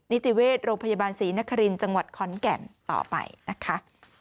นิติเวชโรงพยาบาลศรีนครินทร์จังหวัดขอนแก่นต่อไปนะคะ